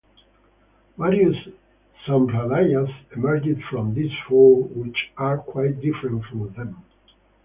Various sampradayas emerged from these four, which are quite different from them.